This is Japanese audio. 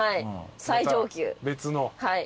最上級。